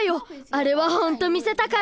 あれはほんと見せたかった。